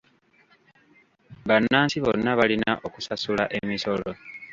Bannansi bonna balina okusasula emisolo.